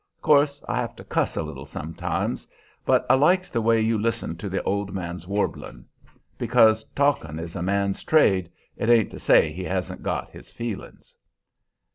Course I have to cuss a little sometimes. But I liked the way you listened to the old man's warblin'. Because talkin' is a man's trade, it ain't to say he hasn't got his feelin's."